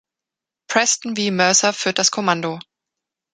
Preston V. Mercer führt das Kommando.